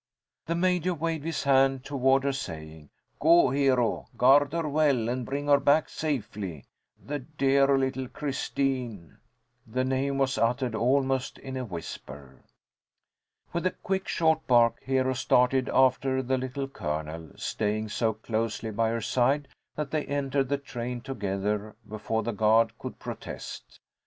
The Major waved his hand toward her, saying, "Go, Hero. Guard her well and bring her back safely. The dear little Christine!" The name was uttered almost in a whisper. With a quick, short bark, Hero started after the Little Colonel, staying so closely by her side that they entered the train together before the guard could protest.